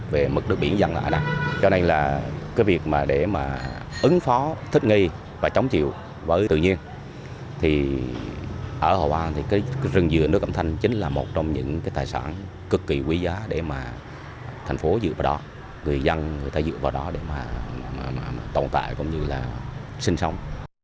về mực đất biển dân là ở nặng cho nên là cái việc mà để mà ứng phó thích nghi và chống chịu với tự nhiên thì ở hội an thì cái rừng dừa nước cẩm thanh chính là một trong những cái tài sản cực kỳ quý giá để mà thành phố dựa vào đó người dân người ta dựa vào đó để mà tồn tại cũng như là sinh sống